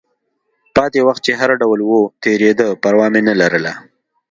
پاتې وخت چې هر ډول و، تېرېده، پروا مې نه لرله.